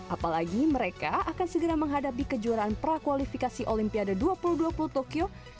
apalagi mereka akan segera menghadapi kejuaraan prakualifikasi olimpik